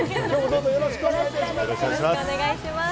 よろしくお願いします。